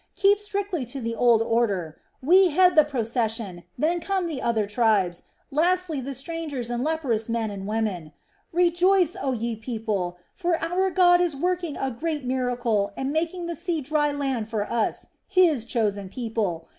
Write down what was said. Keep strictly to the old order. We head the procession, then come the other tribes, lastly the strangers and leprous men and women. Rejoice, oh, ye people; for our God is working a great miracle and making the sea dry land for us, His chosen people.